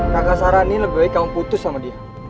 kakak saranin lebih baik kamu putus sama dia